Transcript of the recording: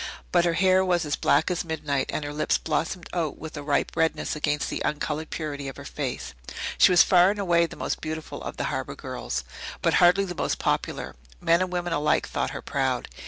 But her hair was as black as midnight, and her lips blossomed out with a ripe redness against the uncoloured purity of her face. She was far and away the most beautiful of the harbour girls, but hardly the most popular. Men and women alike thought her proud.